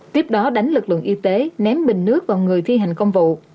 tiếp đó đánh lực lượng y tế ném bình nước vào người thi hành công vụ